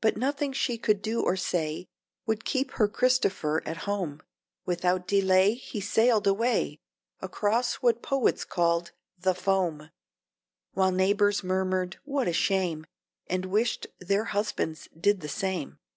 But nothing she could do or say Would keep her Christopher at home; Without delay he sailed away Across what poets call "the foam," While neighbors murmured, "What a shame!" And wished their husbands did the same.